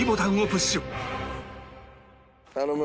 頼む。